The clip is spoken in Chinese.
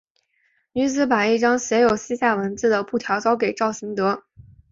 女子把一张写有西夏文字的布条交给赵行德。